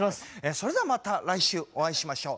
それではまた来週お会いしましょう。